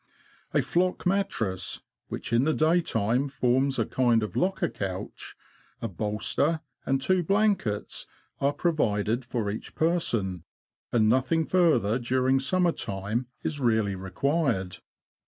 A flock mattress (which in the daytime forms a kind of locker couch), a bolster, and two blankets, are provided for each person, and nothing further during summer time, is really required.